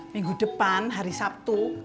minggu depan hari sabtu